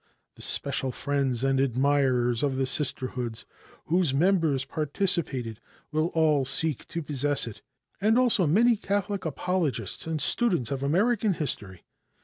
The special friends and admirers of the Sisterhoods, whose members participated, will all seek to possess it, and also many Catholic apologists and students of American history.